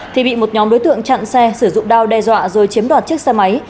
thì bị một nhóm đối tượng chặn xe sử dụng đao đe dọa rồi chiếm đoạt chiếc xe máy